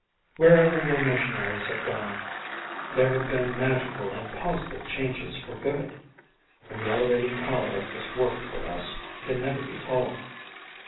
Wherever your missionaries have gone, there have been magical and positive changes for good, and the elevating power of this work for us can never be told.